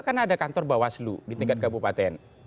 karena ada kantor bawaslu di tingkat kabupaten